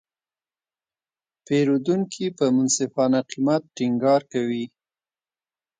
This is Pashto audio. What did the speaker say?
پیرودونکي په منصفانه قیمت ټینګار کوي.